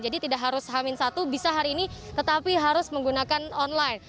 jadi tidak harus hamin satu bisa hari ini tetapi harus menggunakan online